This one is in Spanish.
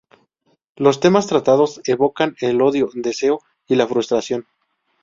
Los temas tratados evocan el olvido, deseo y la frustración.